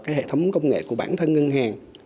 cái hệ thống công nghệ của bản thân ngân hàng